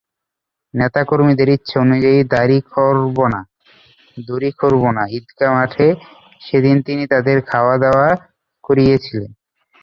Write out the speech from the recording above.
নেতা কর্মীদের ইচ্ছা অনুযায়ী দড়িখরবনা ঈদগাহ মাঠে সেদিন তিনি তাঁদের খাওয়াদাওয়া করিয়েছিলেন।